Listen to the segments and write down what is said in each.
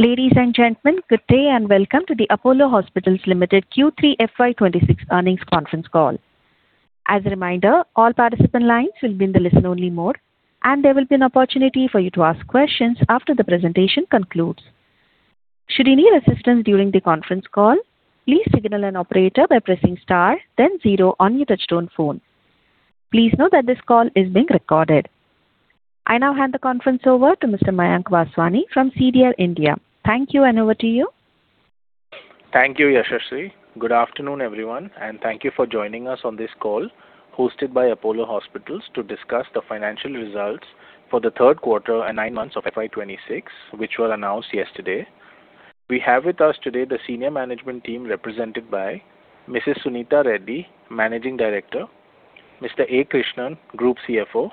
Ladies and gentlemen, good day and welcome to the Apollo Hospitals Enterprise Limited Q3 FY26 earnings conference call. As a reminder, all participant lines will be in the listen-only mode, and there will be an opportunity for you to ask questions after the presentation concludes. Should you need assistance during the conference call, please signal an operator by pressing star, then zero on your touch-tone phone. Please note that this call is being recorded. I now hand the conference over to Mr. Mayank Vaswani from CDR India. Thank you, and over to you. Thank you, Yashashree. Good afternoon, everyone, and thank you for joining us on this call hosted by Apollo Hospitals to discuss the financial results for the third quarter and nine months of FY26, which were announced yesterday. We have with us today the senior management team represented by Mrs. Suneeta Reddy, Managing Director, Mr. A. Krishnan, Group CFO,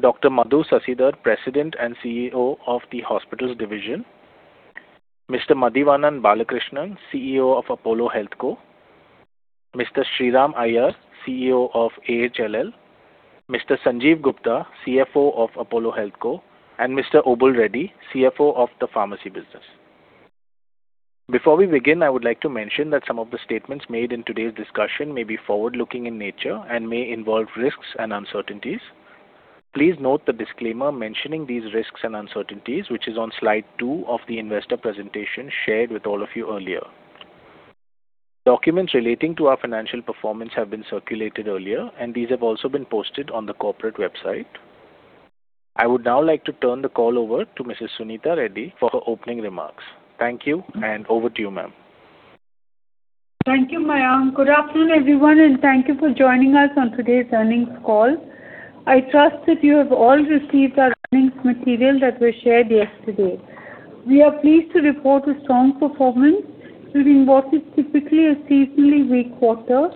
Dr. Madhu Sasidhar, President and CEO of the Hospitals Division, Mr. Madhivanan Balakrishnan, CEO of Apollo Healthco, Mr. Sriram Iyer, CEO of AHLL, Mr. Sanjeev Gupta, CFO of Apollo Healthco, and Mr. Obul Reddy, CFO of the Pharmacy business. Before we begin, I would like to mention that some of the statements made in today's discussion may be forward-looking in nature and may involve risks and uncertainties. Please note the disclaimer mentioning these risks and uncertainties, which is on slide two of the investor presentation shared with all of you earlier. Documents relating to our financial performance have been circulated earlier, and these have also been posted on the corporate website. I would now like to turn the call over to Mrs. Suneeta Reddy for her opening remarks. Thank you, and over to you, ma'am. Thank you, Mayank. Good afternoon, everyone, and thank you for joining us on today's earnings call. I trust that you have all received our earnings material that was shared yesterday. We are pleased to report a strong performance within what is typically a seasonally weak quarter.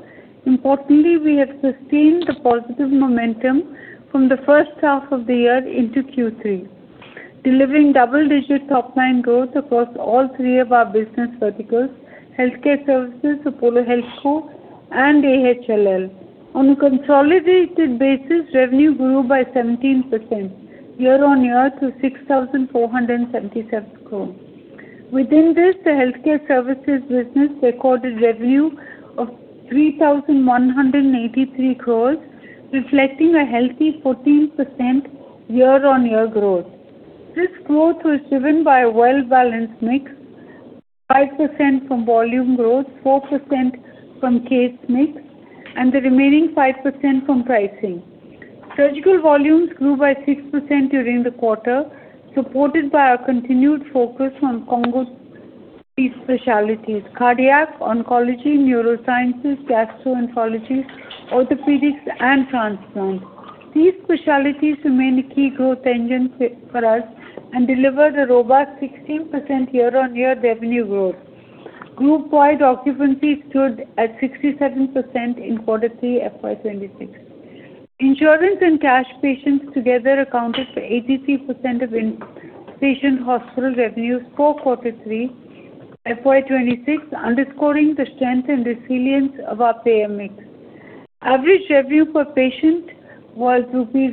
Importantly, we have sustained the positive momentum from the first half of the year into Q3, delivering double-digit top-line growth across all three of our business verticals: healthcare services, Apollo Healthco, and AHLL. On a consolidated basis, revenue grew by 17% year-on-year to 6,477 crore. Within this, the healthcare services business recorded revenue of 3,183 crores, reflecting a healthy 14% year-on-year growth. This growth was driven by a well-balanced mix: 5% from volume growth, 4% from case mix, and the remaining 5% from pricing. Surgical volumes grew by 6% during the quarter, supported by our continued focus on congruent specialties: cardiac, oncology, neurosciences, gastroenterology, orthopedics, and transplant. These specialties remain a key growth engine for us and delivered a robust 16% year-over-year revenue growth. Group-wide occupancy stood at 67% in quarter three FY26. Insurance and cash patients together accounted for 83% of inpatient hospital revenues for quarter three FY26, underscoring the strength and resilience of our payer mix. Average revenue per patient was rupees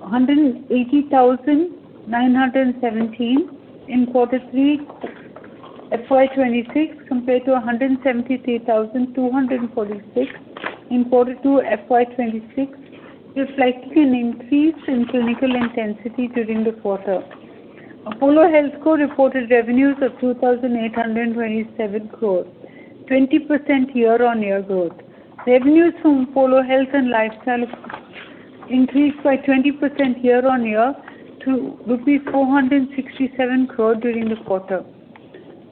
180,917 in quarter three FY26 compared to 173,246 in quarter two FY26, reflecting an increase in clinical intensity during the quarter. Apollo Healthco reported revenues of 2,827 crore, 20% year-over-year growth. Revenues from Apollo Health and Lifestyle increased by 20% year-over-year to rupees 467 crore during the quarter.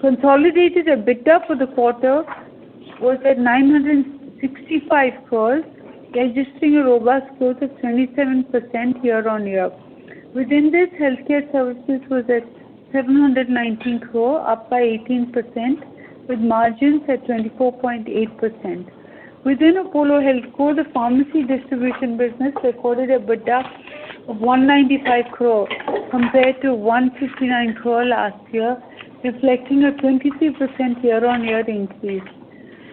Consolidated EBITDA for the quarter was at 965 crore, registering a robust growth of 27% year-over-year. Within this, healthcare services was at 719 crore, up by 18%, with margins at 24.8%. Within Apollo Healthco, the pharmacy distribution business recorded EBITDA of 195 crore compared to 159 crore last year, reflecting a 23% year-on-year increase.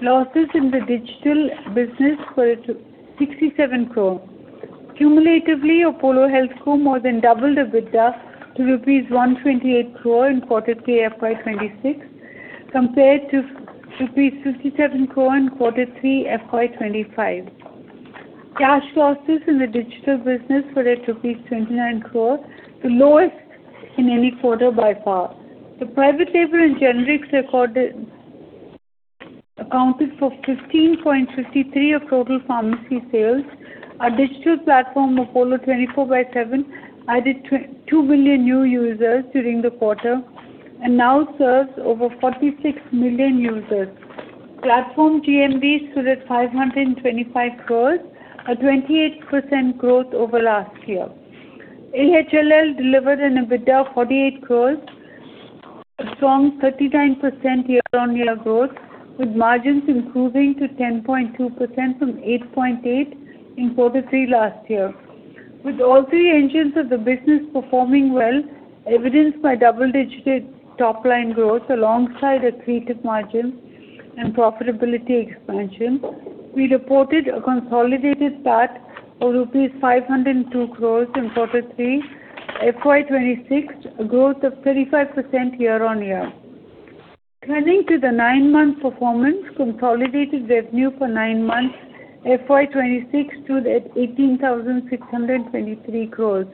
Losses in the digital business were at 67 crore. Cumulatively, Apollo Healthco more than doubled EBITDA to rupees 128 crore in quarter three FY26 compared to rupees 57 crore in quarter three FY25. Cash losses in the digital business were at rupees 29 crore, the lowest in any quarter by far. The private label and generics accounted for 15.53% of total pharmacy sales. Our digital platform, Apollo 24/7, added 2 million new users during the quarter and now serves over 46 million users. Platform GMV stood at 525 crore, a 28% growth over last year. AHLL delivered an EBITDA of 48 crore, a strong 39% year-on-year growth, with margins improving to 10.2% from 8.8% in quarter three last year. With all three engines of the business performing well, evidenced by double-digit top-line growth alongside a accretive margin and profitability expansion, we reported a consolidated PAT of rupees 502 crore in quarter three FY26, a growth of 35% year-on-year. Turning to the nine-month performance, consolidated revenue for nine months FY26 stood at 18,623 crore,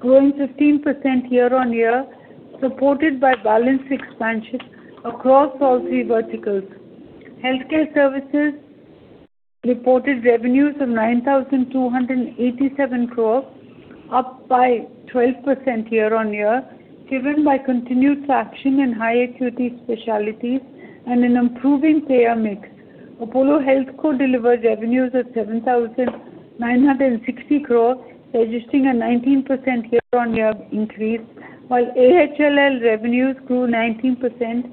growing 15% year-on-year, supported by balanced expansion across all three verticals. Healthcare services reported revenues of 9,287 crore, up by 12% year-on-year, driven by continued traction in high-acuity specialties and an improving payer mix. Apollo Healthco delivered revenues of 7,960 crore, registering a 19% year-on-year increase, while AHLL revenues grew 19%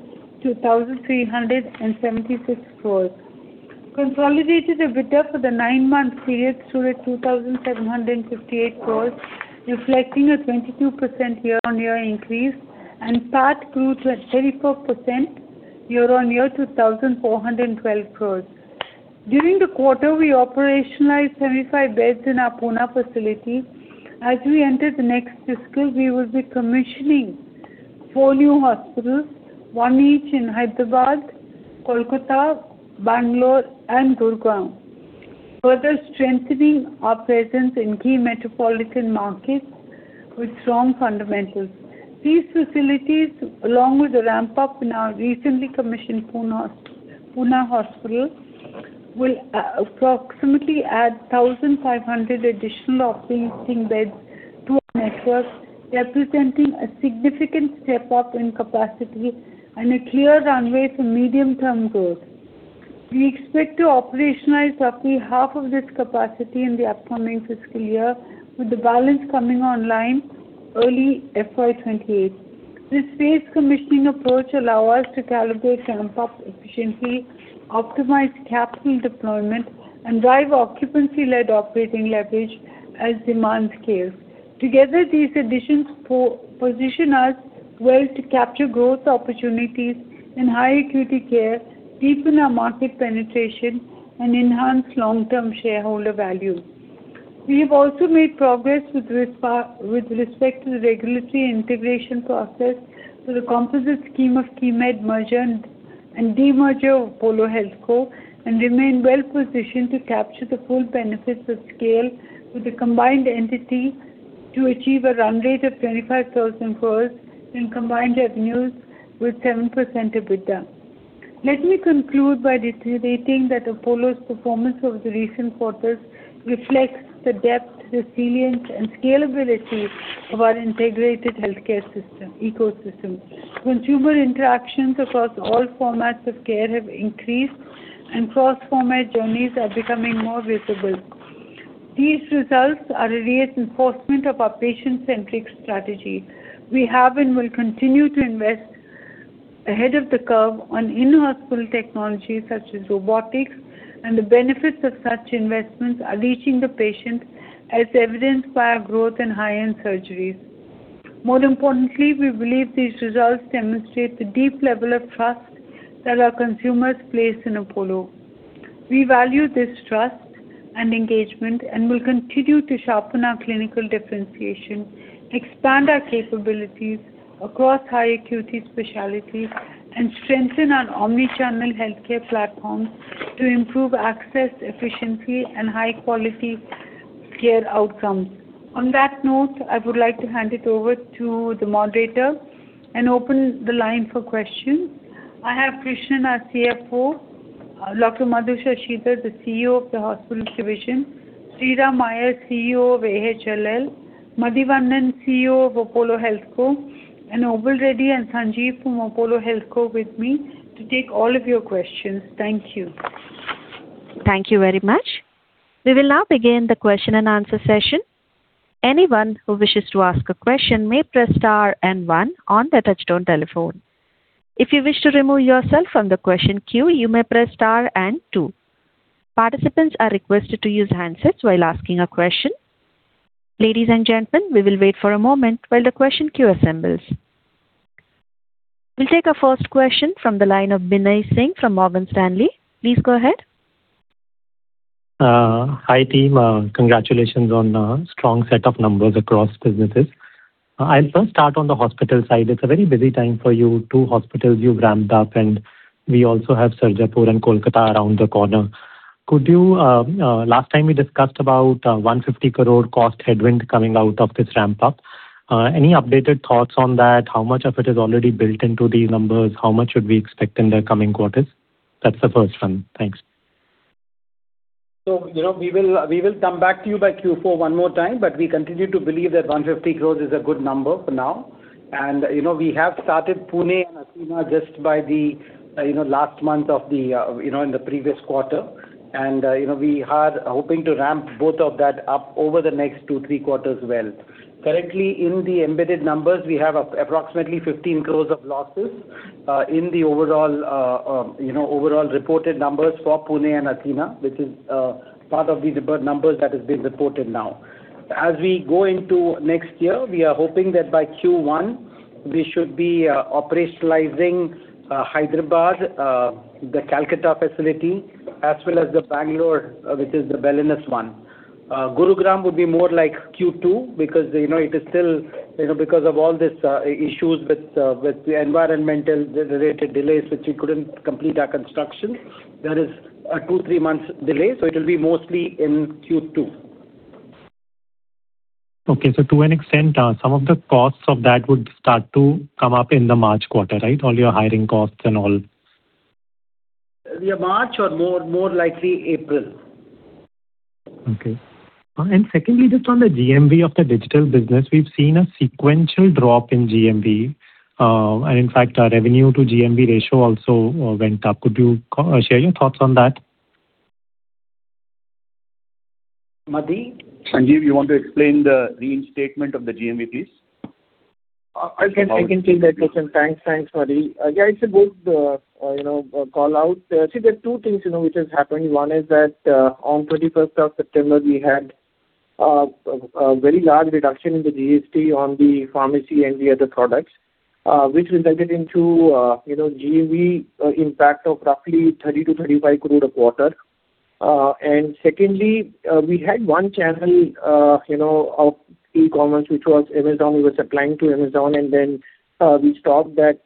to 2,376 crore. Consolidated EBITDA for the nine-month period stood at INR. 2,758 crore, reflecting a 22% year-on-year increase, and PAT grew to 34% year-on-year to 2,412 crore. During the quarter, we operationalized 75 beds in our Pune facility. As we enter the next fiscal, we will be commissioning four new hospitals, one each in Hyderabad, Kolkata, Bangalore, and Gurugram, further strengthening our presence in key metropolitan markets with strong fundamentals. These facilities, along with a ramp-up in our recently commissioned Pune Hospital, will approximately add 1,500 additional operating beds to our network, representing a significant step-up in capacity and a clear runway for medium-term growth. We expect to operationalize roughly half of this capacity in the upcoming fiscal year, with the balance coming online early FY 2028. This phased commissioning approach allows us to calibrate ramp-up efficiency, optimize capital deployment, and drive occupancy-led operating leverage as demand scales. Together, these additions position us well to capture growth opportunities in high-acuity care, deepen our market penetration, and enhance long-term shareholder value. We have also made progress with respect to the regulatory integration process for the Composite Scheme of Keimed merger and demerger of Apollo Healthco, and remain well positioned to capture the full benefits of scale with a combined entity to achieve a run rate of 25,000 crore in combined revenues with 7% EBITDA. Let me conclude by stating that Apollo's performance over the recent quarters reflects the depth, resilience, and scalability of our integrated healthcare ecosystem. Consumer interactions across all formats of care have increased, and cross-format journeys are becoming more visible. These results are a reinforcement of our patient-centric strategy. We have and will continue to invest ahead of the curve on in-hospital technology such as robotics, and the benefits of such investments are reaching the patient, as evidenced by our growth in high-end surgeries. More importantly, we believe these results demonstrate the deep level of trust that our consumers place in Apollo. We value this trust and engagement and will continue to sharpen our clinical differentiation, expand our capabilities across high-acuity specialties, and strengthen our omnichannel healthcare platforms to improve access, efficiency, and high-quality care outcomes. On that note, I would like to hand it over to the moderator and open the line for questions. I have Krishnan, our CFO; Dr. Madhu Sasidhar, the CEO of the hospital division; Sriram Iyer, CEO of AHLL; Madhivanan, CEO of Apollo Healthco; and Obul Reddy and Sanjiv from Apollo Healthco with me to take all of your questions. Thank you. Thank you very much. We will now begin the question-and-answer session. Anyone who wishes to ask a question may press star and one on the touch-tone telephone. If you wish to remove yourself from the question queue, you may press star and two. Participants are requested to use handsets while asking a question. Ladies and gentlemen, we will wait for a moment while the question queue assembles. We'll take our first question from the line of Binay Singh from Morgan Stanley. Please go ahead. Hi team. Congratulations on a strong set of numbers across businesses. I'll first start on the hospital side. It's a very busy time for your two hospitals you've ramped up, and we also have Sarjapur and Kolkata around the corner. Last time we discussed about 150 crore cost headwind coming out of this ramp-up. Any updated thoughts on that? How much of it is already built into these numbers? How much should we expect in the coming quarters? That's the first one. Thanks. So we will come back to you by Q4 one more time, but we continue to believe that 150 crore is a good number for now. We have started Pune and Asansol just by the last months in the previous quarter, and we are hoping to ramp both of that up over the next two, three quarters well. Currently, in the embedded numbers, we have approximately 15 crore of losses in the overall reported numbers for Pune and Asansol, which is part of the number that has been reported now. As we go into next year, we are hoping that by Q1, we should be operationalizing Hyderabad, the Kolkata facility, as well as Bangalore, which is the wellness one. Gurugram would be more like Q2 because it is still because of all these issues with the environmental-related delays, which we couldn't complete our construction; there is a 2-3-month delay. So it will be mostly in Q2. Okay. So to an extent, some of the costs of that would start to come up in the March quarter, right? All your hiring costs and all. Yeah, March or more likely April. Okay. And secondly, just on the GMV of the digital business, we've seen a sequential drop in GMV. And in fact, our revenue-to-GMV ratio also went up. Could you share your thoughts on that? Madhi. Sanjiv, you want to explain the reinstatement of the GMV, please? I can take that question. Thanks, Madhu. Yeah, it's a good callout. See, there are two things which have happened. One is that on 21st of September, we had a very large reduction in the GST on the pharmacy and the other products, which resulted into GMV impact of roughly 30 crore-35 crore a quarter. And secondly, we had one channel of e-commerce, which was Amazon. We were supplying to Amazon, and then we stopped that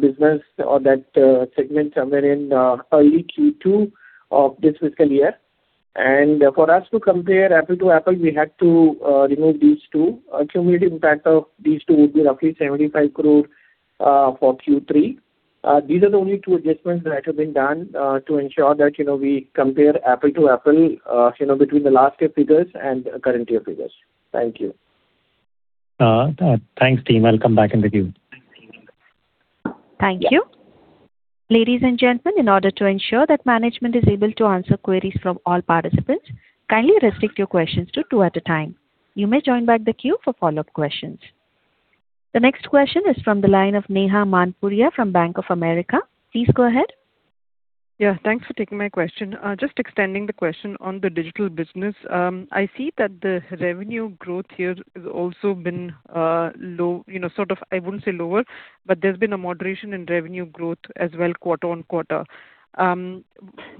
business or that segment somewhere in early Q2 of this fiscal year. And for us to compare apples to apples, we had to remove these two. Accumulated impact of these two would be roughly 75 crore for Q3. These are the only two adjustments that have been done to ensure that we compare apples to apples between the last year figures and current year figures. Thank you. Thanks, team. I'll come back in the queue. Thank you. Ladies and gentlemen, in order to ensure that management is able to answer queries from all participants, kindly restrict your questions to two at a time. You may join back the queue for follow-up questions. The next question is from the line of Neha Manpuria from Bank of America. Please go ahead. Yeah, thanks for taking my question. Just extending the question on the digital business, I see that the revenue growth here has also been low. Sort of, I wouldn't say lower, but there's been a moderation in revenue growth as well quarter-on-quarter.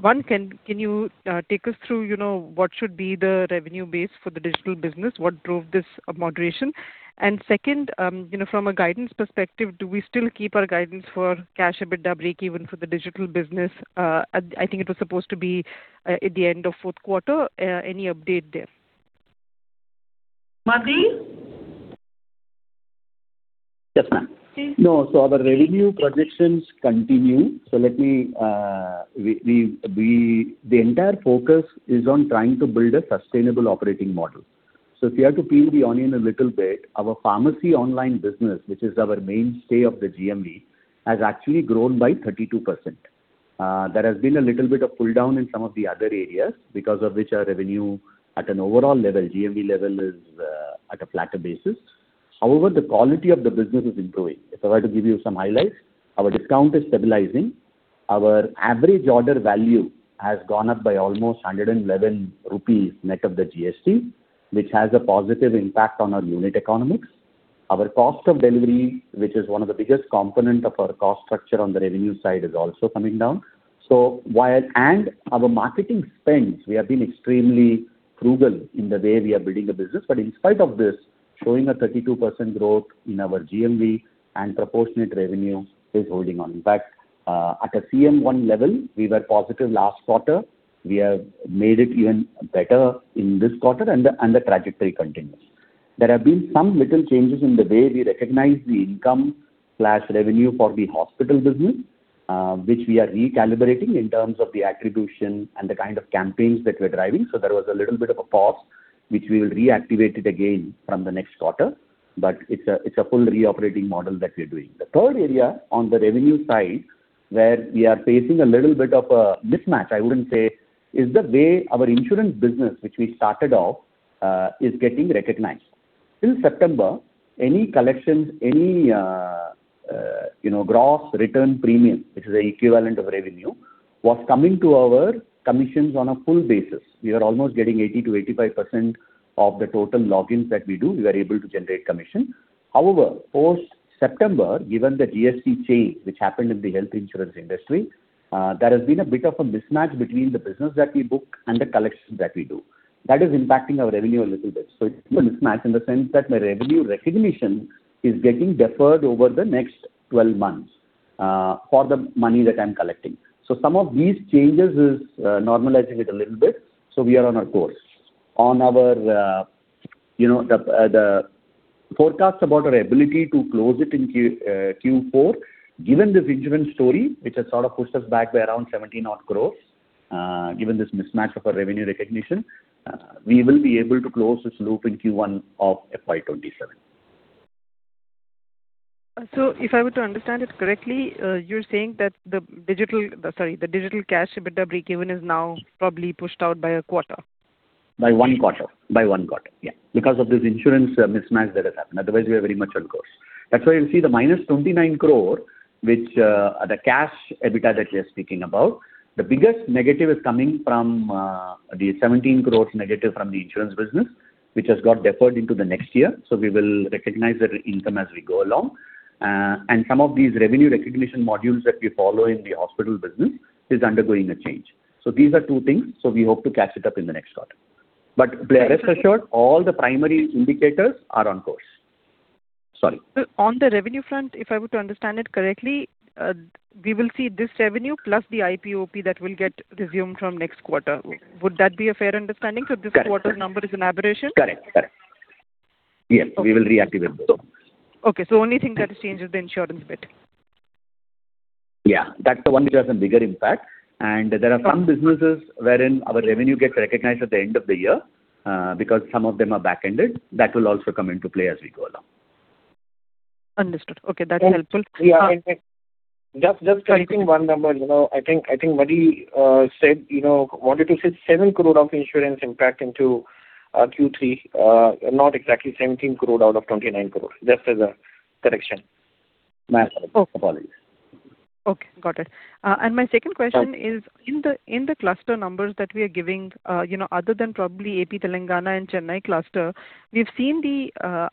One, can you take us through what should be the revenue base for the digital business? What drove this moderation? And second, from a guidance perspective, do we still keep our guidance for cash EBITDA break-even for the digital business? I think it was supposed to be at the end of fourth quarter. Any update there? Madhi? Yes, ma'am. No, so our revenue projections continue. So the entire focus is on trying to build a sustainable operating model. So if you have to peel the onion a little bit, our pharmacy online business, which is our mainstay of the GMV, has actually grown by 32%. There has been a little bit of pull-down in some of the other areas because of which our revenue at an overall level, GMV level, is at a flatter basis. However, the quality of the business is improving. If I were to give you some highlights, our discount is stabilizing. Our average order value has gone up by almost 111 rupees net of the GST, which has a positive impact on our unit economics. Our cost of delivery, which is one of the biggest components of our cost structure on the revenue side, is also coming down. Our marketing spends, we have been extremely frugal in the way we are building a business, but in spite of this, showing a 32% growth in our GMV and proportionate revenue is holding on. In fact, at a CM1 level, we were positive last quarter. We have made it even better in this quarter, and the trajectory continues. There have been some little changes in the way we recognize the income/revenue for the hospital business, which we are recalibrating in terms of the attribution and the kind of campaigns that we're driving. So there was a little bit of a pause, which we will reactivate it again from the next quarter. But it's a full reoperating model that we're doing. The third area on the revenue side where we are facing a little bit of a mismatch, I wouldn't say, is the way our insurance business, which we started off, is getting recognized. Since September, any collections, any gross return premium, which is the equivalent of revenue, was coming to our commissions on a full basis. We were almost getting 80%-85% of the total logins that we do. We were able to generate commission. However, post-September, given the GST change, which happened in the health insurance industry, there has been a bit of a mismatch between the business that we book and the collections that we do. That is impacting our revenue a little bit. So it's a mismatch in the sense that my revenue recognition is getting deferred over the next 12 months for the money that I'm collecting. Some of these changes are normalizing it a little bit, so we are on our course. On our forecast about our ability to close it in Q4, given this insurance story, which has sort of pushed us back by around 17-odd crore, given this mismatch of our revenue recognition, we will be able to close this loop in Q1 of FY27. If I were to understand it correctly, you're saying that the digital sorry, the digital cash EBITDA break-even is now probably pushed out by a quarter. By one quarter. By one quarter, yeah, because of this insurance mismatch that has happened. Otherwise, we are very much on course. That's why you'll see the -29 crore, which the cash EBITDA that we are speaking about, the biggest negative is coming from the -17 crore from the insurance business, which has got deferred into the next year. So we will recognize that income as we go along. And some of these revenue recognition modules that we follow in the hospital business is undergoing a change. So these are two things. So we hope to catch it up in the next quarter. But rest assured, all the primary indicators are on course. Sorry. On the revenue front, if I were to understand it correctly, we will see this revenue plus the IP/OP that will get resumed from next quarter. Would that be a fair understanding? This quarter's number is an aberration? Correct. Correct. Yes, we will reactivate those. Okay. Only thing that has changed is the insurance bit. Yeah, that's the one which has a bigger impact. There are some businesses wherein our revenue gets recognized at the end of the year because some of them are back-ended. That will also come into play as we go along. Understood. Okay, that's helpful. Just correcting one number. I think Madhu said wanted to say 7 crore of insurance impact into Q3, not exactly INR 17 crore out of 29 crore. Just as a correction. My apologies. Okay, got it. And my second question is, in the cluster numbers that we are giving, other than probably AP Telangana and Chennai cluster, we've seen the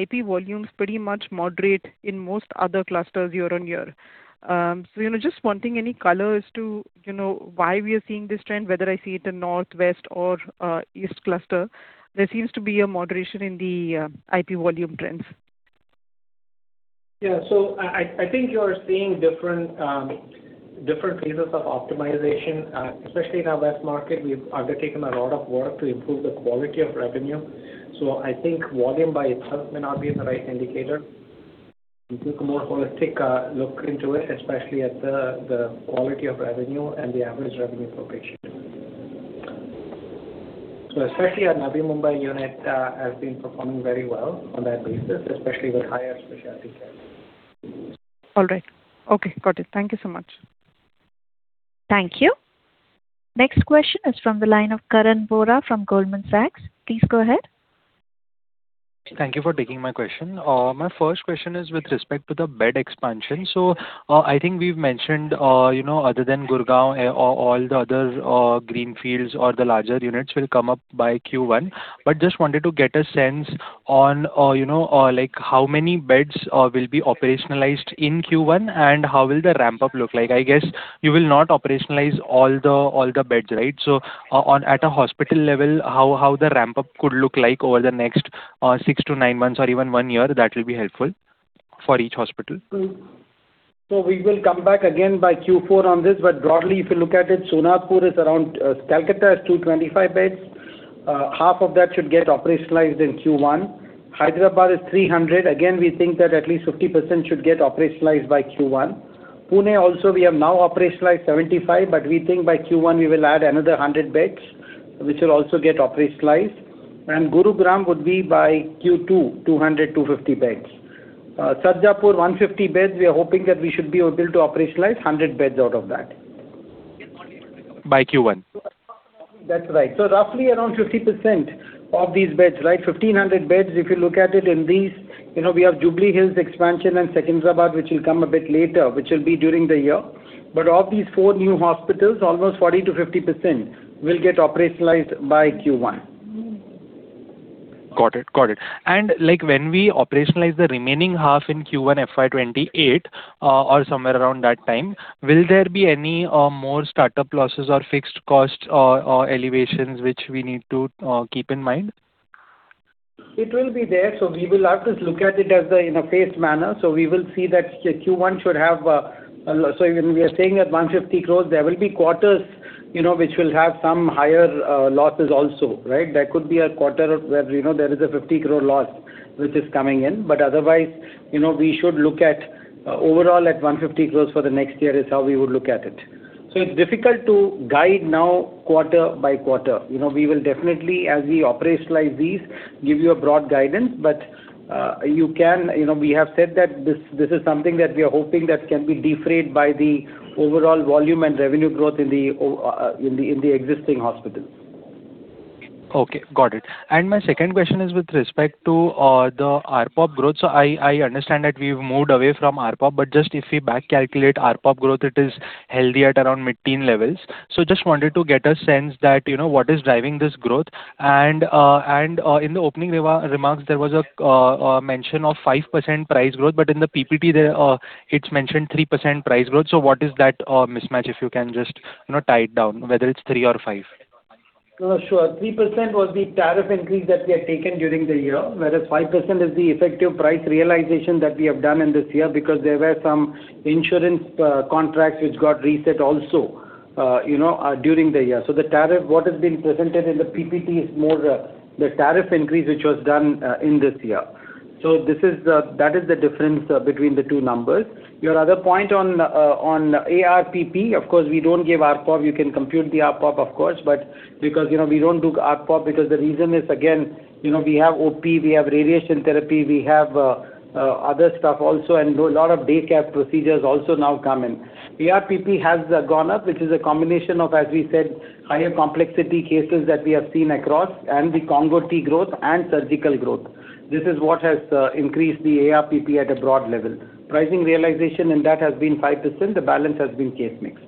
IP volumes pretty much moderate in most other clusters year-on-year. So just wanting any color to why we are seeing this trend, whether I see it in north, west, or east cluster, there seems to be a moderation in the IP volume trends. Yeah, so I think you're seeing different phases of optimization, especially in our west market. We've undertaken a lot of work to improve the quality of revenue. So I think volume by itself may not be the right indicator. You took a more holistic look into it, especially at the quality of revenue and the average revenue per patient. So especially our Navi Mumbai unit has been performing very well on that basis, especially with higher specialty care. All right. Okay, got it. Thank you so much. Thank you. Next question is from the line of Karan Vora from Goldman Sachs. Please go ahead. Thank you for taking my question. My first question is with respect to the bed expansion. So I think we've mentioned, other than Gurugram, all the other greenfields or the larger units will come up by Q1. But just wanted to get a sense on how many beds will be operationalized in Q1 and how will the ramp-up look like. I guess you will not operationalize all the beds, right? So at a hospital level, how the ramp-up could look like over the next six to nine months or even one year, that will be helpful for each hospital. So we will come back again by Q4 on this. But broadly, if you look at it, Sonarpur around Kolkata is 225 beds. Half of that should get operationalized in Q1. Hyderabad is 300. Again, we think that at least 50% should get operationalized by Q1. Pune also, we have now operationalized 75, but we think by Q1, we will add another 100 beds, which will also get operationalized. And Gurugram would be by Q2, 200-250 beds. Sarjapur, 150 beds. We are hoping that we should be able to operationalize 100 beds out of that. By Q1. That's right. So roughly around 50% of these beds, right? 1,500 beds, if you look at it in these, we have Jubilee Hills expansion and Secunderabad, which will come a bit later, which will be during the year. But of these four new hospitals, almost 40%-50% will get operationalized by Q1. Got it. Got it. When we operationalize the remaining half in Q1 FY28 or somewhere around that time, will there be any more startup losses or fixed costs or elevations which we need to keep in mind? It will be there. So we will have to look at it in a phased manner. So we will see that Q1 should have so when we are saying at 150 crores, there will be quarters which will have some higher losses also, right? There could be a quarter where there is a 50-crore loss which is coming in. But otherwise, we should look at overall at 150 crores for the next year is how we would look at it. So it's difficult to guide now quarter by quarter. We will definitely, as we operationalize these, give you a broad guidance. But you can we have said that this is something that we are hoping that can be offset by the overall volume and revenue growth in the existing hospitals. Okay, got it. And my second question is with respect to the ARPOB growth. So I understand that we've moved away from ARPOB, but just if we backcalculate ARPOB growth, it is healthy at around 15 levels. So just wanted to get a sense that what is driving this growth? And in the opening remarks, there was a mention of 5% price growth, but in the PPT, it's mentioned 3% price growth. So what is that mismatch, if you can just tie it down, whether it's three or five? Sure. 3% was the tariff increase that we have taken during the year, whereas 5% is the effective price realization that we have done in this year because there were some insurance contracts which got reset also during the year. So the tariff, what has been presented in the PPT is more the tariff increase which was done in this year. So that is the difference between the two numbers. Your other point on ARPP, of course, we don't give ARPOB. You can compute the ARPOB, of course, but because we don't do ARPOB because the reason is, again, we have OP, we have radiation therapy, we have other stuff also, and a lot of daycare procedures also now come in. ARPP has gone up, which is a combination of, as we said, higher complexity cases that we have seen across and the IP occupancy growth and surgical growth. This is what has increased the ARPP at a broad level. Pricing realization in that has been 5%. The balance has been case mix.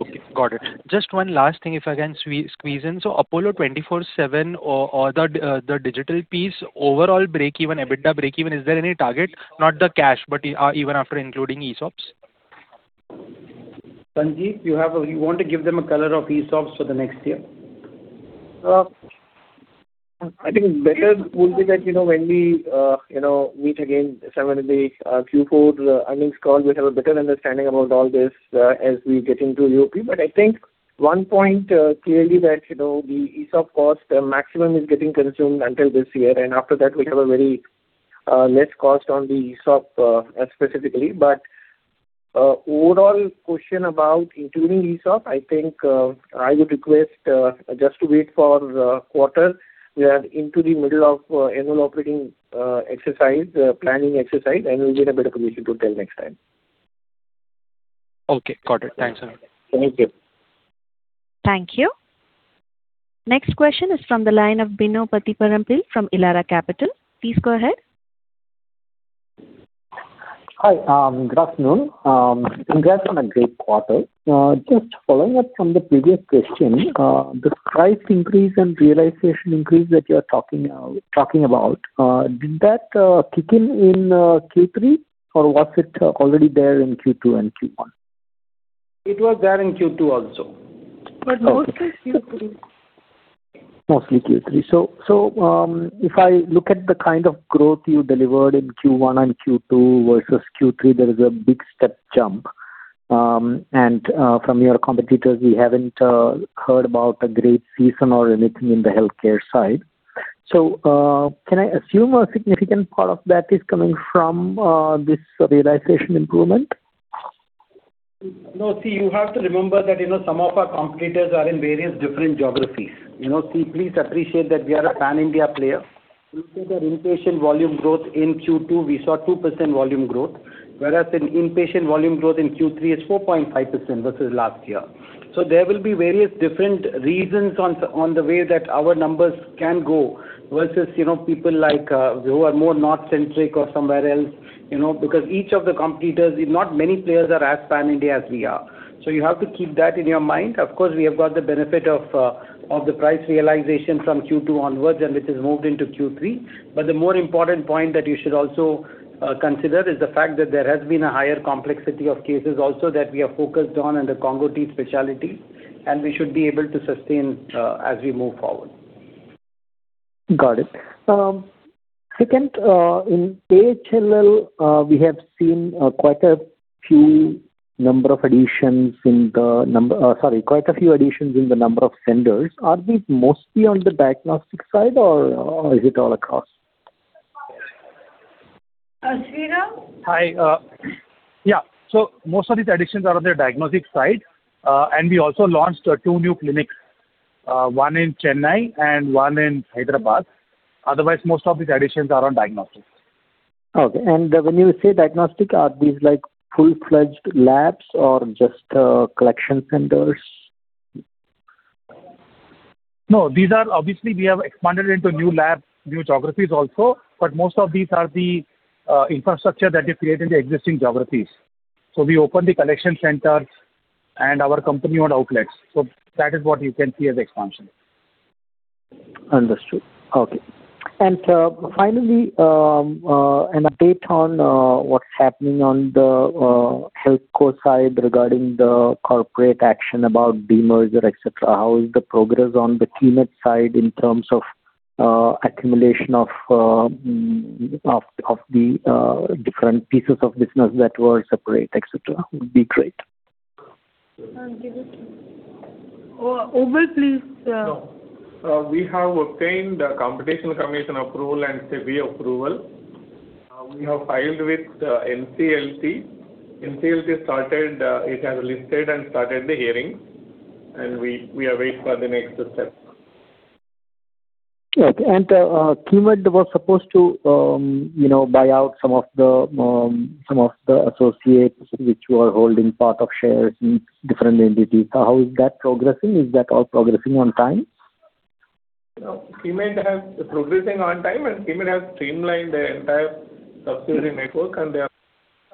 Okay, got it. Just one last thing, if I can squeeze in. So Apollo 24/7 or the digital piece, overall break-even, EBITDA break-even, is there any target? Not the cash, but even after including ESOPs. Sanjiv, you want to give them a color of ESOPs for the next year? I think better would be that when we meet again somewhere in the Q4 earnings call, we have a better understanding about all this as we get into AOP. But I think one point clearly that the ESOP cost maximum is getting consumed until this year. And after that, we have a very less cost on the ESOP specifically. But overall question about including ESOP, I think I would request just to wait for quarter. We are into the middle of annual operating exercise, planning exercise, and we'll get a better position to tell next time. Okay, got it. Thanks, sir. Thank you. Thank you. Next question is from the line of Bino Pathiparampil from Elara Capital. Please go ahead. Hi, good afternoon. Congrats on a great quarter. Just following up from the previous question, the price increase and realization increase that you are talking about, did that kick in in Q3, or was it already there in Q2 and Q1? It was there in Q2 also. Mostly Q3. Mostly Q3. So if I look at the kind of growth you delivered in Q1 and Q2 versus Q3, there is a big step jump. From your competitors, we haven't heard about a great season or anything in the healthcare side. So can I assume a significant part of that is coming from this realization improvement? No, see, you have to remember that some of our competitors are in various different geographies. See, please appreciate that we are a Pan-India player. Look at our inpatient volume growth in Q2. We saw 2% volume growth, whereas inpatient volume growth in Q3 is 4.5% versus last year. So there will be various different reasons on the way that our numbers can go versus people who are more north-centric or somewhere else because each of the competitors, not many players are as Pan-India as we are. So you have to keep that in your mind. Of course, we have got the benefit of the price realization from Q2 onwards and which has moved into Q3. But the more important point that you should also consider is the fact that there has been a higher complexity of cases also that we are focused on and the concomitant specialty, and we should be able to sustain as we move forward. Got it. Second, in AHLL, we have seen quite a few additions in the number of senders. Are these mostly on the diagnostic side, or is it all across? Sreeram? Hi. Yeah, so most of these additions are on the diagnostic side. We also launched two new clinics, one in Chennai and one in Hyderabad. Otherwise, most of these additions are on diagnostics. Okay. When you say diagnostic, are these full-fledged labs or just collection centers? No, obviously, we have expanded into new labs, new geographies also, but most of these are the infrastructure that you create in the existing geographies. So we open the collection centers and our company-owned outlets. So that is what you can see as expansion. Understood. Okay. And finally, an update on what's happening on the Healthco side regarding the corporate action about demerger, etc. How is the progress on the team side in terms of accumulation of the different pieces of business that were separate, etc.? It would be great. Obul, please. No. We have obtained the Competition Commission approval and SEBI approval. We have filed with NCLT. NCLT started it as listed and started the hearing. We are waiting for the next step. Okay. And Keimed was supposed to buy out some of the associates which were holding part of shares in different entities. How is that progressing? Is that all progressing on time? Keimed is progressing on time, and Keimed has streamlined their entire subsidiary network, and they are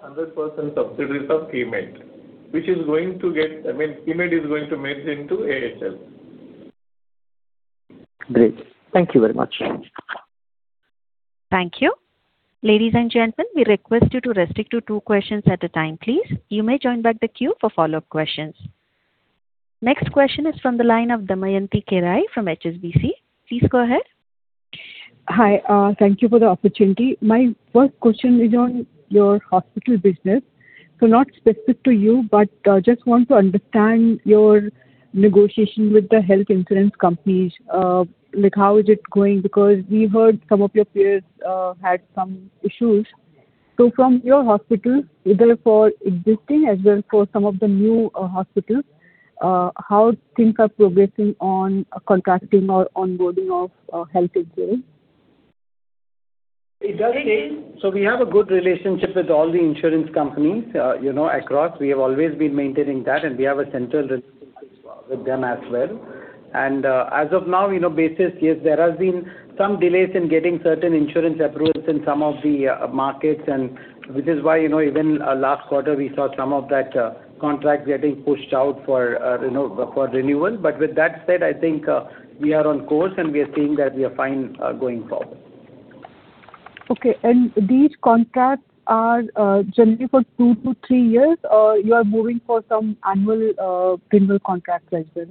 100% subsidiaries of Keimed, which is going to get—I mean, Keimed is going to merge into AHL. Great. Thank you very much. Thank you. Ladies and gentlemen, we request you to restrict to two questions at a time, please. You may join back the queue for follow-up questions. Next question is from the line of Damayanti Kerai from HSBC. Please go ahead. Hi. Thank you for the opportunity. My first question is on your hospital business. So not specific to you, but just want to understand your negotiation with the health insurance companies. How is it going? Because we heard some of your peers had some issues. So from your hospital, either for existing as well for some of the new hospitals, how things are progressing on contracting or onboarding of health insurance? It does take, so we have a good relationship with all the insurance companies across. We have always been maintaining that, and we have a central relationship with them as well. And as of now, basically, yes, there have been some delays in getting certain insurance approvals in some of the markets, which is why even last quarter, we saw some of that contract getting pushed out for renewal. But with that said, I think we are on course, and we are seeing that we are fine going forward. Okay. These contracts are generally for two-three years, or you are moving for some annual renewal contract as well?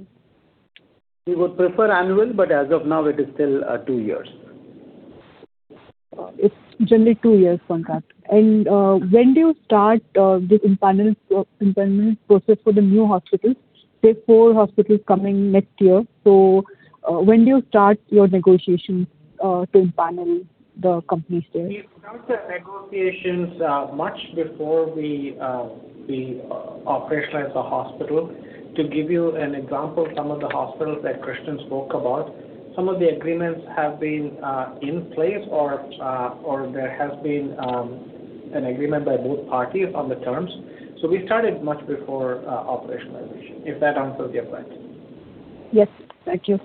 We would prefer annual, but as of now, it is still two years. It's generally two-year contract. And when do you start this empanelment process for the new hospitals? Say four hospitals coming next year. So when do you start your negotiations to empanel the companies there? We start the negotiations much before we operationalize the hospital. To give you an example, some of the hospitals that Krishnan spoke about, some of the agreements have been in place, or there has been an agreement by both parties on the terms. So we started much before operationalization, if that answers your question. Yes. Thank you.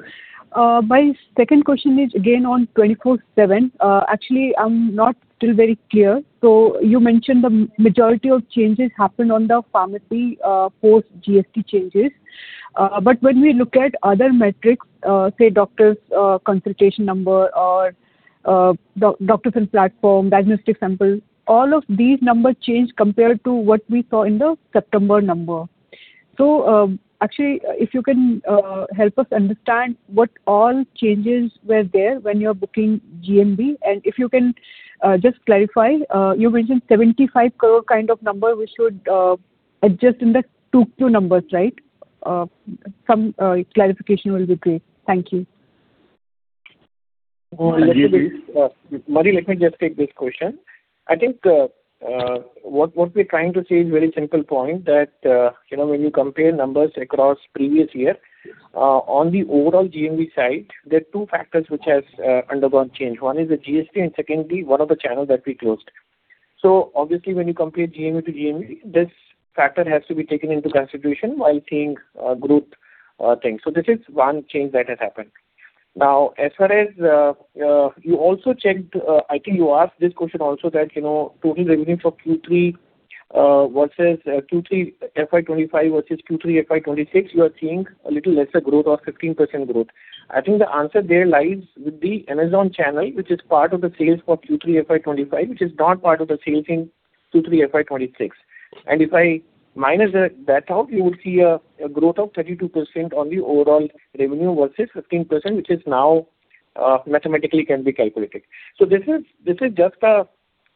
My second question is, again, on 24/7. Actually, I'm not still very clear. So you mentioned the majority of changes happened on the pharmacy post-GST changes. But when we look at other metrics, say doctors' consultation number or doctors' platform, diagnostic sample, all of these numbers change compared to what we saw in the September number. So actually, if you can help us understand what all changes were there when you're booking GMV. And if you can just clarify, you mentioned 75 crore kind of number, which would adjust in the two numbers, right? Some clarification will be great. Thank you. Madhivanan, please. Madhivanan, let me just take this question. I think what we're trying to say is a very simple point that when you compare numbers across previous year, on the overall GMV side, there are two factors which have undergone change. One is the GST, and secondly, one of the channels that we closed. So obviously, when you compare GMV to GMV, this factor has to be taken into consideration while seeing growth things. So this is one change that has happened. Now, as far as you also checked I think you asked this question also that total revenue for Q3 versus Q3 FY25 versus Q3 FY26, you are seeing a little lesser growth or 15% growth. I think the answer there lies with the Amazon channel, which is part of the sales for Q3 FY25, which is not part of the sales in Q3 FY26. If I minus that out, you would see a growth of 32% on the overall revenue versus 15%, which now mathematically can be calculated. This is just a,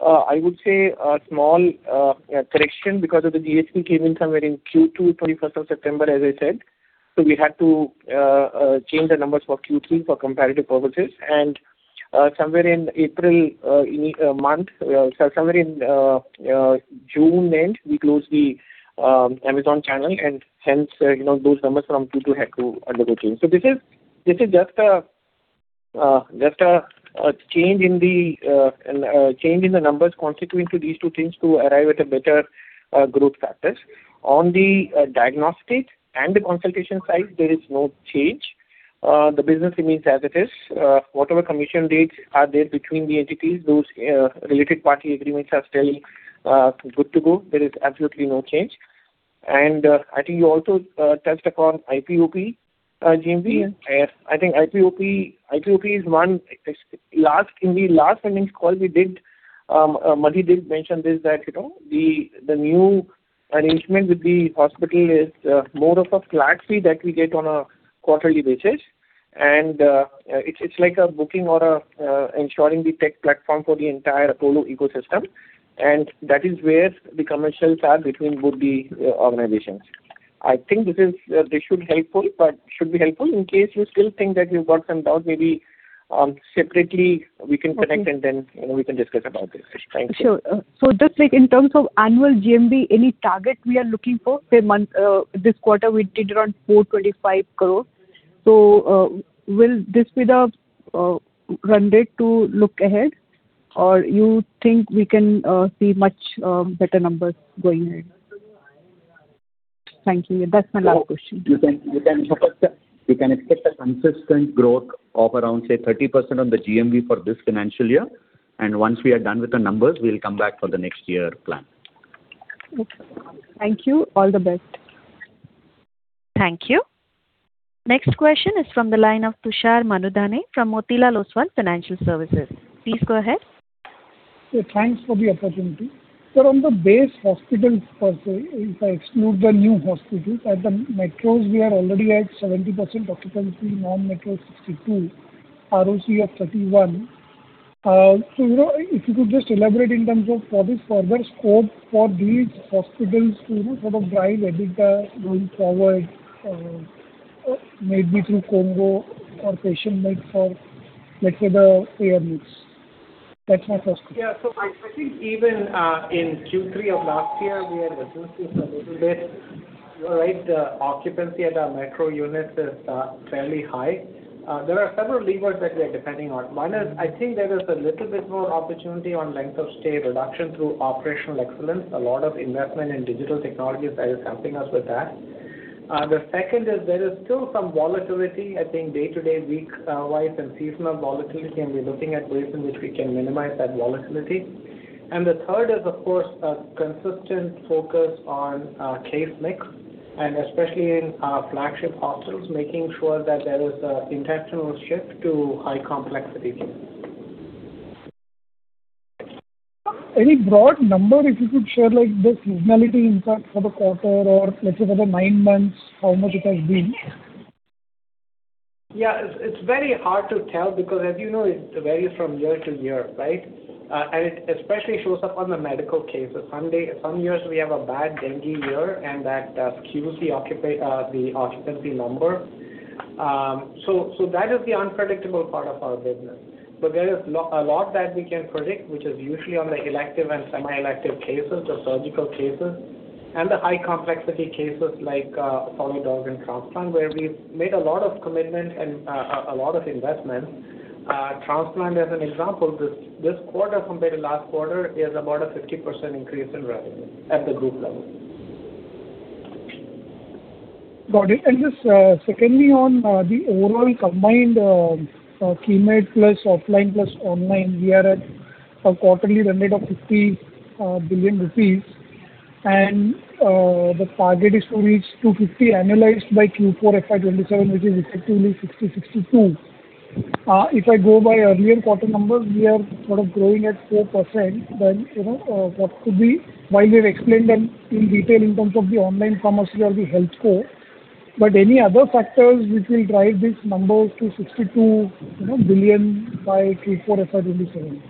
I would say, small correction because of the GST came in somewhere in Q2, 21st of September, as I said. We had to change the numbers for Q3 for comparative purposes. Somewhere in April month sorry, somewhere in June end, we closed the Amazon channel. Hence, those numbers from Q2 had to undergo change. This is just a change in the change in the numbers constituting to these two things to arrive at a better growth factors. On the diagnostic and the consultation side, there is no change. The business remains as it is. Whatever commission rates are there between the entities, those related party agreements are still good to go. There is absolutely no change. I think you also touched upon IP/OP GMV. I think in the last earnings call we did, Madhivanan did mention this that the new arrangement with the hospital is more of a flat fee that we get on a quarterly basis. And it's like a booking or ensuring the tech platform for the entire Apollo ecosystem. And that is where the commercials are between both the organizations. I think this should be helpful in case you still think that you've got some doubt. Maybe separately, we can connect, and then we can discuss about this. Thank you. Sure. So just in terms of annual GMV, any target we are looking for, say this quarter, we did around 425 crore. So will this be the run rate to look ahead, or you think we can see much better numbers going ahead? Thank you. That's my last question. You can expect a consistent growth of around, say, 30% on the GMV for this financial year. Once we are done with the numbers, we'll come back for the next year plan. Okay. Thank you. All the best. Thank you. Next question is from the line of Tushar Manudhane from Motilal Oswal Financial Services. Please go ahead. Thanks for the opportunity. So on the base hospitals per se, if I exclude the new hospitals, at the metros, we are already at 70% occupancy, non-metros 62%, ROC of 31%. So if you could just elaborate in terms of what is further scope for these hospitals to sort of drive EBITDA going forward, maybe through case mix or payer mix for, let's say, the payer needs. That's my first question. Yeah. So I think even in Q3 of last year, we had resiliency for a little bit. You're right. The occupancy at our metro units is fairly high. There are several levers that we are depending on. One is I think there is a little bit more opportunity on length of stay, reduction through operational excellence, a lot of investment in digital technologies that is helping us with that. The second is there is still some volatility, I think, day-to-day, weekwise, and seasonal volatility. And we're looking at ways in which we can minimize that volatility. And the third is, of course, a consistent focus on case mix, and especially in flagship hospitals, making sure that there is an intentional shift to high-complexity cases. Any broad number, if you could share, the seasonality impact for the quarter or, let's say, for the nine months, how much it has been? Yeah. It's very hard to tell because, as you know, it varies from year to year, right? It especially shows up on the medical cases. Some years, we have a bad dengue year, and that skews the occupancy number. That is the unpredictable part of our business. There is a lot that we can predict, which is usually on the elective and semi-elective cases, the surgical cases, and the high-complexity cases like solid organ transplant where we've made a lot of commitment and a lot of investments. Transplant, as an example, this quarter compared to last quarter is about a 50% increase in revenue at the group level. Got it. And just second me on the overall combined Keimed plus offline plus online, we are at a quarterly revenue of 50 billion rupees. And the target is to reach 250 billion annualized by Q4 FY27, which is effectively 60-62. If I go by earlier quarter numbers, we are sort of growing at 4%. Then what could be while we've explained them in detail in terms of the online pharmacy or the Healthco. But any other factors which will drive these numbers to 62 billion by Q4 FY27?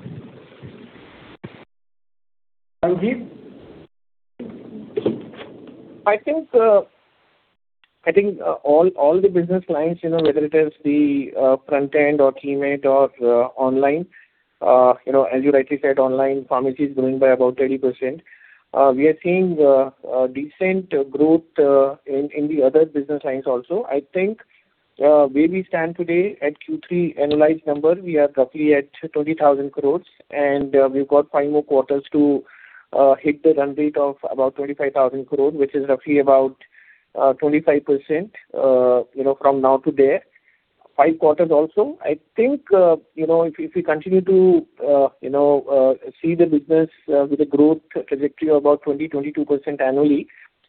Ranjith? I think all the business lines, whether it is the front-end or Keimed or online as you rightly said, online pharmacy is growing by about 30%. We are seeing decent growth in the other business lines also. I think where we stand today at Q3 annualized number, we are roughly at 20,000 crore. And we've got five more quarters to hit the run rate of about 25,000 crore, which is roughly about 25% from now to there. Five quarters also, I think if we continue to see the business with a growth trajectory of about 20%-22% annually,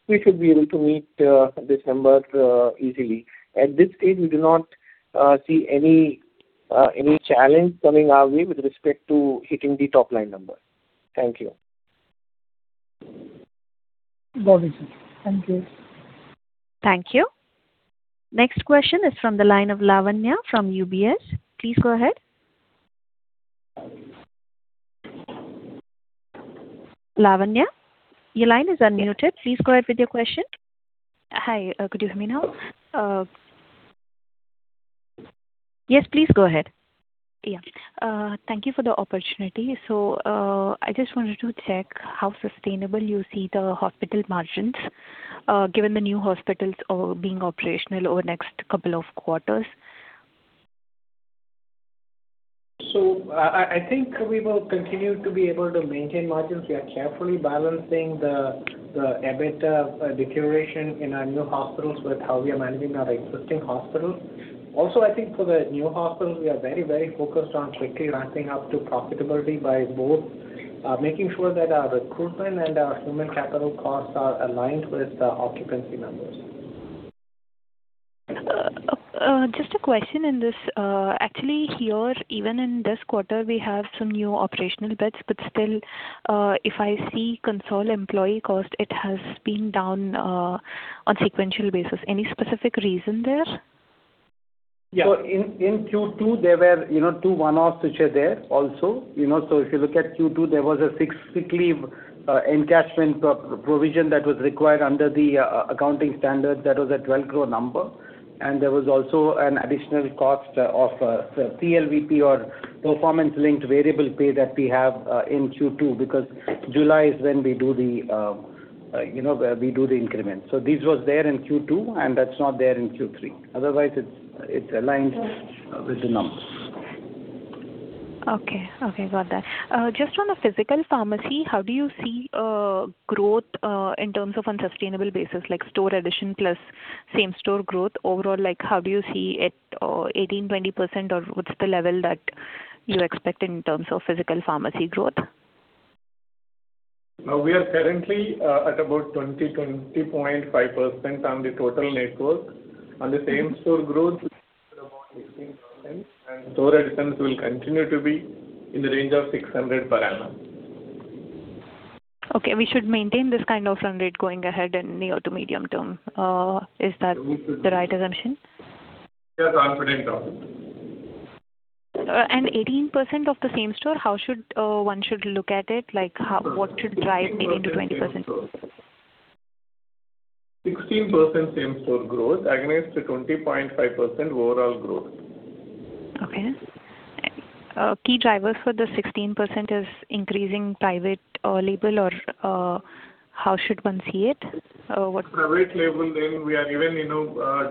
we should be able to meet this number easily. At this stage, we do not see any challenge coming our way with respect to hitting the top-line number. Thank you. Got it, sir. Thank you. Thank you. Next question is from the line of Lavanya from UBS. Please go ahead. Lavanya, your line is unmuted. Please go ahead with your question. Hi. Could you hear me now? Yes. Please go ahead. Yeah. Thank you for the opportunity. I just wanted to check how sustainable you see the hospital margins given the new hospitals being operational over the next couple of quarters. So I think we will continue to be able to maintain margins. We are carefully balancing the EBITDA deterioration in our new hospitals with how we are managing our existing hospitals. Also, I think for the new hospitals, we are very, very focused on quickly ramping up to profitability by both making sure that our recruitment and our human capital costs are aligned with the occupancy numbers. Just a question on this. Actually, here, even in this quarter, we have some new operational beds. But still, if I see consolidated employee cost, it has been down on a sequential basis. Any specific reason there? Yeah. So in Q2, there were two one-offs which are there also. So if you look at Q2, there was a six-week leave encashment provision that was required under the accounting standard that was an 12 crore number. And there was also an additional cost of PLVP or performance-linked variable pay that we have in Q2 because July is when we do the increment. So this was there in Q2, and that's not there in Q3. Otherwise, it's aligned with the numbers. Okay. Okay. Got that. Just on the physical pharmacy, how do you see growth in terms of on a sustainable basis, like store addition plus same-store growth overall? How do you see it, 18%, 20%, or what's the level that you expect in terms of physical pharmacy growth? We are currently at about 20%-20.5% on the total network. On the same-store growth, about 16%. Store additions will continue to be in the range of 600 per annum. Okay. We should maintain this kind of run rate going ahead in near to medium term. Is that the right assumption? We are confident of it. 18% of the same-store, how should one look at it? What should drive 18%-20%? 16% same-store growth against 20.5% overall growth. Okay. Key drivers for the 16% is increasing Private Label, or how should one see it? Private Label, then we are even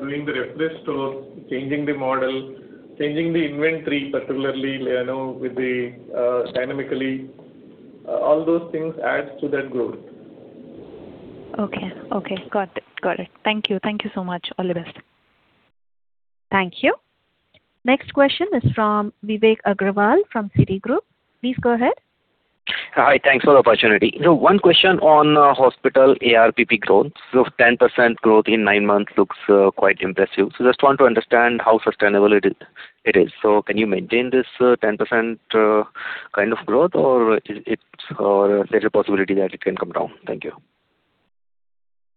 doing the refresh store, changing the model, changing the inventory, particularly with the dynamically. All those things add to that growth. Okay. Okay. Got it. Got it. Thank you. Thank you so much. All the best. Thank you. Next question is from Vivek Agarwal from Citigroup. Please go ahead. Hi. Thanks for the opportunity. One question on hospital ARPP growth. So 10% growth in nine months looks quite impressive. So just want to understand how sustainable it is. So can you maintain this 10% kind of growth, or is there a possibility that it can come down? Thank you.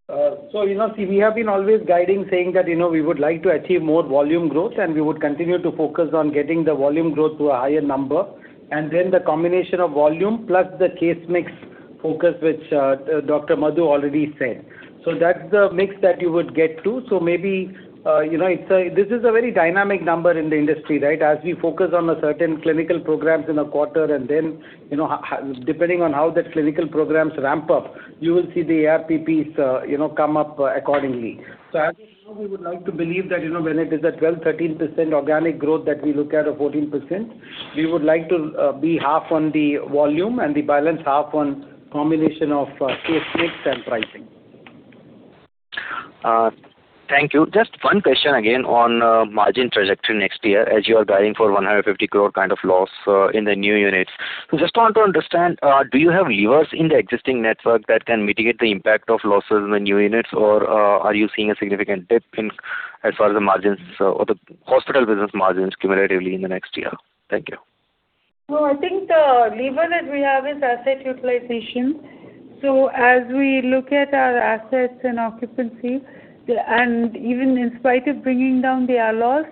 So see, we have been always guiding saying that we would like to achieve more volume growth, and we would continue to focus on getting the volume growth to a higher number. And then the combination of volume plus the case mix focus, which Dr. Madhu already said. So that's the mix that you would get to. So maybe this is a very dynamic number in the industry, right, as we focus on certain clinical programs in a quarter. And then depending on how that clinical program's ramp up, you will see the ARPPs come up accordingly. So as of now, we would like to believe that when it is at 12%-13% organic growth that we look at, or 14%, we would like to be half on the volume and the balance, half on combination of case mix and pricing. Thank you. Just one question again on margin trajectory next year as you are guiding for 150 crore kind of loss in the new units. So just want to understand, do you have levers in the existing network that can mitigate the impact of losses in the new units, or are you seeing a significant dip as far as the margins or the hospital business margins cumulatively in the next year? Thank you. Well, I think the lever that we have is asset utilization. So as we look at our assets and occupancy and even in spite of bringing down the ALOS,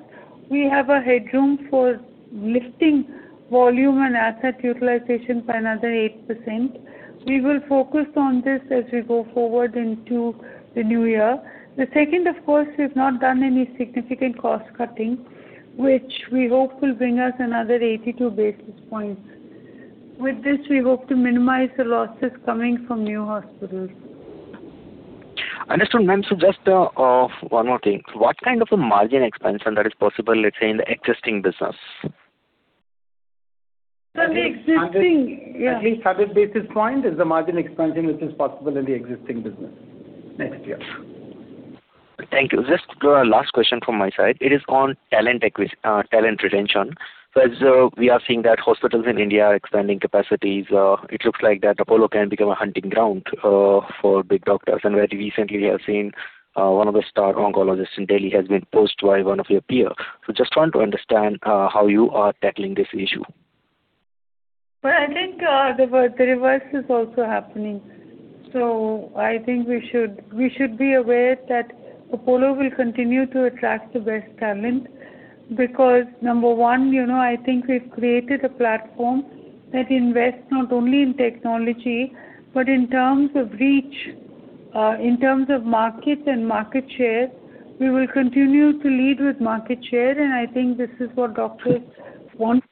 we have a headroom for lifting volume and asset utilization by another 8%. We will focus on this as we go forward into the new year. The second, of course, we've not done any significant cost-cutting, which we hope will bring us another 82 basis points. With this, we hope to minimize the losses coming from new hospitals. Understood. Ma'am, so just one more thing. What kind of a margin expansion that is possible, let's say, in the existing business? At least 100 basis points is the margin expansion which is possible in the existing business next year. Thank you. Just last question from my side. It is on talent retention. So as we are seeing that hospitals in India are expanding capacities, it looks like that Apollo can become a hunting ground for big doctors. And very recently, we have seen one of the star oncologists in Delhi has been poached by one of your peers. So just want to understand how you are tackling this issue. Well, I think the reverse is also happening. So I think we should be aware that Apollo will continue to attract the best talent because, number one, I think we've created a platform that invests not only in technology but in terms of reach, in terms of market, and market share. We will continue to lead with market share. And I think this is what doctors want.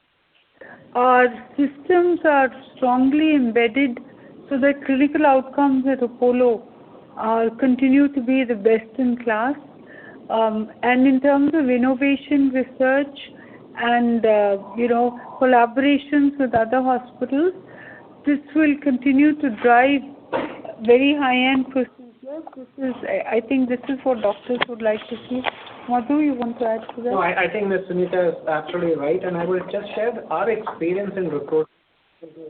Our systems are strongly embedded so that clinical outcomes at Apollo continue to be the best in class. And in terms of innovation, research, and collaborations with other hospitals, this will continue to drive very high-end procedures. I think this is what doctors would like to see. Madhu, you want to add to that? No, I think that Sanjiv Gupta is absolutely right. I will just share our experience in recruiting into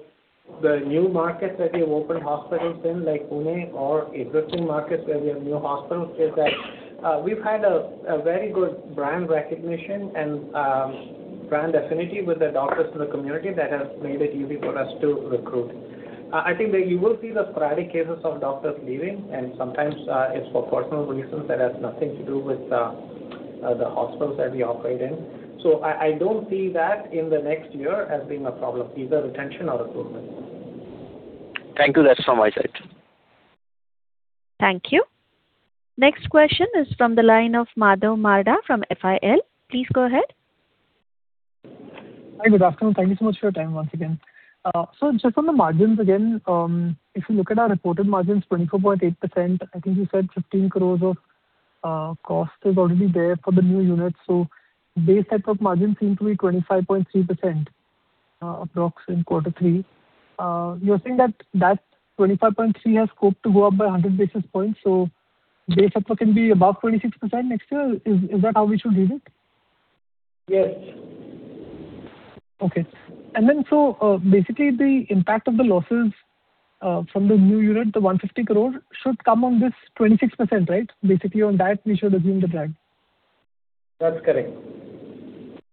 the new markets that we have opened hospitals in, like Pune or existing markets where we have new hospitals, is that we've had a very good brand recognition and brand affinity with the doctors in the community that has made it easy for us to recruit. I think that you will see the sporadic cases of doctors leaving. Sometimes it's for personal reasons that has nothing to do with the hospitals that we operate in. I don't see that in the next year as being a problem, either retention or recruitment. Thank you. That's from my side. Thank you. Next question is from the line of Madhu Marda from FIL. Please go ahead. Hi. Good afternoon. Thank you so much for your time once again. So just on the margins again, if you look at our reported margins, 24.8%, I think you said 15 crore of cost is already there for the new units. So base network margin seemed to be 25.3% approximately in quarter three. You're saying that that 25.3 has scoped to go up by 100 basis points. So base network can be above 26% next year. Is that how we should read it? Yes. Okay. And then so basically, the impact of the losses from the new unit, the 150 crore, should come on this 26%, right? Basically, on that, we should assume the drag. That's correct.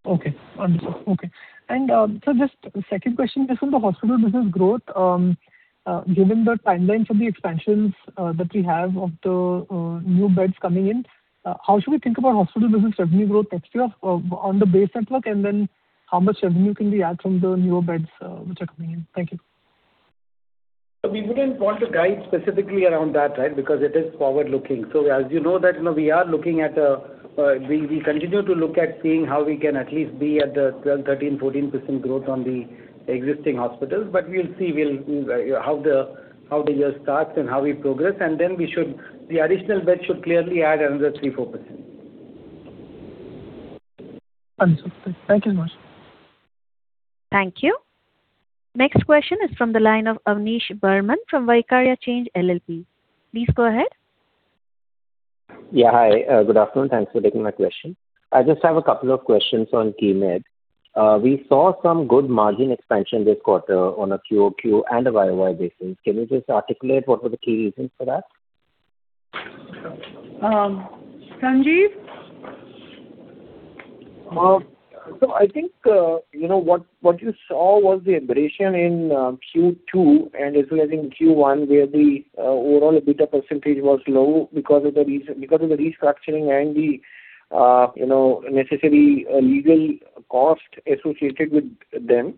Okay. Understood. Okay. And so just second question, just on the hospital business growth, given the timeline for the expansions that we have of the new beds coming in, how should we think about hospital business revenue growth next year on the base network, and then how much revenue can we add from the newer beds which are coming in? Thank you. So we wouldn't want to guide specifically around that, right, because it is forward-looking. So as you know, we continue to look at seeing how we can at least be at the 12%-14% growth on the existing hospitals. But we'll see how the year starts and how we progress. And then the additional beds should clearly add another 3%-4%. Understood. Thank you so much. Thank you. Next question is from the line of Avnish Tiwari from Vaikarya Change LLP. Please go ahead. Yeah. Hi. Good afternoon. Thanks for taking my question. I just have a couple of questions on Keimed. We saw some good margin expansion this quarter on a QOQ and a YOY basis. Can you just articulate what were the key reasons for that? Sanjiv? So I think what you saw was the aberration in Q2 and as well as in Q1 where the overall EBITDA percentage was low because of the restructuring and the necessary legal cost associated with them.